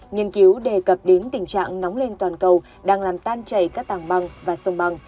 nhiên cứu đề cập đến tình trạng nóng lên toàn cầu đang làm tan chảy các tàng băng và sông băng